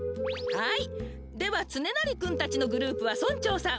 はいではつねなりくんたちのグループは村長さん。